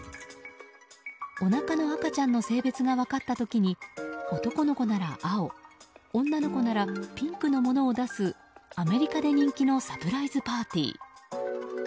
おなかの赤ちゃんの性別が分かった時に男の子なら青女の子ならピンクのものを出すアメリカで人気のサプライズパーティー。